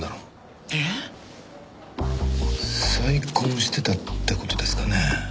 えっ？再婚してたって事ですかね？